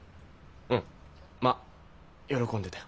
うんまあ喜んでたよ。